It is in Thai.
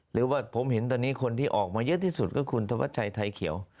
หรือว่าผมเห็นตอนนี้คนที่ออกมาเยอะที่สุดก็คุณธวัชชัยไทยเขียว